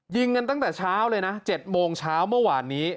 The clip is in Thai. ยิงกันตั้งแต่เช้าเลยนะ๗โมงเช้าเมื่อวานนี้